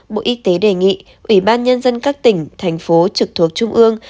bộ y tế đề nghị ủy ban nhân dân các tỉnh thành phố trực thuộc trung ương